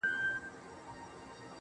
زه په دغه بحث کې نهننوځم